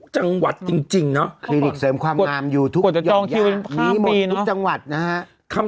ใช่ค่ะ